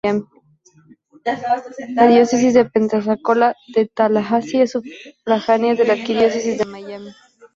La Diócesis de Pensacola-Tallahassee es sufragánea de la Arquidiócesis de Miami.